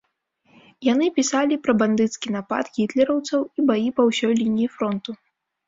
Яны пісалі пра бандыцкі напад гітлераўцаў і баі па ўсёй лініі фронту.